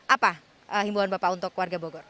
apa himbauan bapak untuk warga bogor